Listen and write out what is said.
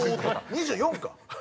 ２４か！